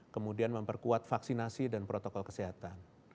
kemudian memperkuat vaksinasi dan protokol kesehatan